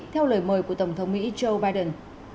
theo lời mời của tổng thống mỹ joe biden